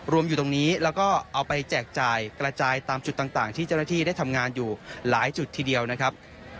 อยู่ตรงนี้แล้วก็เอาไปแจกจ่ายกระจายตามจุดต่างที่เจ้าหน้าที่ได้ทำงานอยู่หลายจุดทีเดียวนะครับ